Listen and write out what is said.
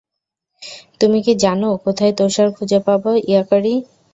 তুমি কি জানো, কোথায় তুষার খুঁজে পাব, ইয়াকারি?